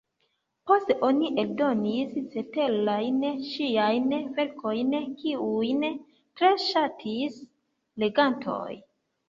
Poste oni eldonis ceterajn ŝiajn verkojn, kiujn tre ŝatis legantoj.